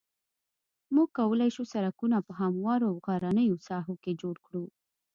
موږ کولای شو سرکونه په هموارو او غرنیو ساحو کې جوړ کړو